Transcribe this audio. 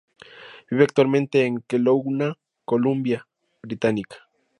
Vive actualmente en Kelowna, Columbia Británica.